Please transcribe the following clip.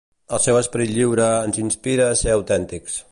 El seu esperit lliure ens inspira a ser autèntics.